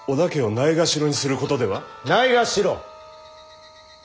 ないがしろ？